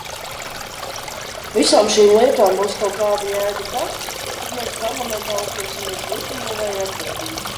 Visām šīm lietām būs kaut kāda jēga tad, kad mēs Parlamentā uzņemsimies likumdevēja atbildību.